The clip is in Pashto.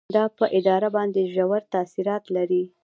دا په اداره باندې ژور تاثیرات لري.